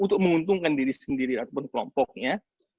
untuk menguntungkan diri sendiri ataupun kelompoknya